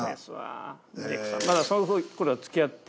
まだそのころは付き合って。